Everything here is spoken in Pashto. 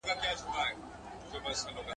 د بېعقل جواب سکوت دئ.